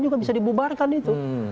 juga bisa dibubarkan itu